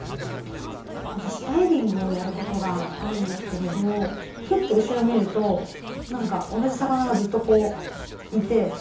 私ダイビングをやることがあるんですけれどフッて後ろ見ると何か同じ魚がずっとこういて。